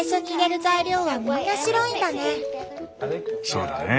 そうだね。